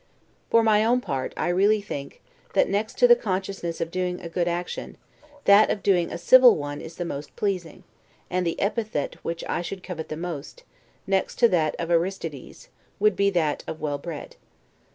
For my own part, I really think, that next to the consciousness of doing a good action, that of doing a civil one is the most pleasing; and the epithet which I should covet the most, next to that of Aristides, would be that of well bred.